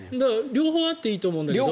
両方あっていいと思うんだけど。